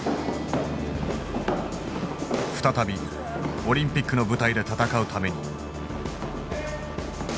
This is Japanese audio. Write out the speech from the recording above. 再びオリンピックの舞台で戦うために。